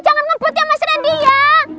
jangan ngebutnya mas randi ya